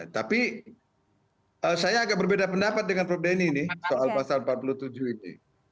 tapi saya agak berbeda pendapat dengan prof denny ini soal pasal empat puluh tujuh ini